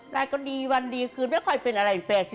แต่ก็ดีวันดีคืนไม่ค่อยเป็นอะไร๘๐